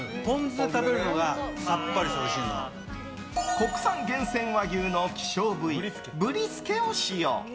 国産厳選和牛の希少部位ブリスケを使用。